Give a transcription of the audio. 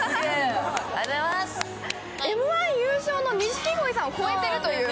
Ｍ−１優勝の錦鯉さんを超えているという。